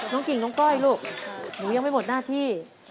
กิ่งน้องก้อยลูกหนูยังไม่หมดหน้าที่